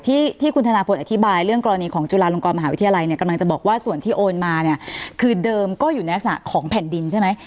ที่ที่คุณธนาพลอธิบายเรื่องกรณีของจุฬาลงกรมหาวิทยาลัยเนี่ยกำลังจะบอกว่าส่วนที่โอนมาเนี่ยคือเดิมก็อยู่ในลักษณะของแผ่นดินใช่ไหม